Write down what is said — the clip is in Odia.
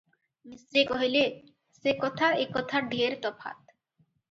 ମିଶ୍ରେ କହିଲେ, "ସେ କଥା ଏ କଥା ଢେର ତଫାତ୍ ।